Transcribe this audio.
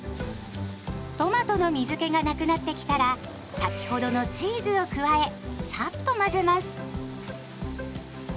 トマトの水けがなくなってきたら先ほどのチーズを加えサッと混ぜます。